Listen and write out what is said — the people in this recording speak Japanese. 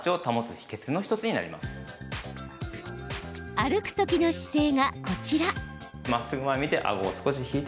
歩くときの姿勢がこちら。